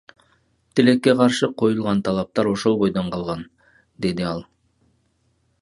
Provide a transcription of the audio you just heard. Тилекке каршы, коюлган талаптар ошол бойдон калган, — деди ал.